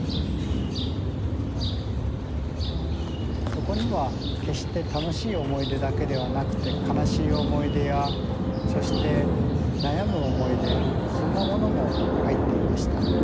そこには決して楽しい思い出だけではなくて悲しい思い出やそして悩む思い出そんなものも入っていました。